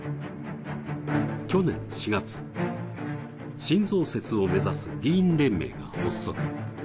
去年４月、新増設を目指す議員連盟が発足。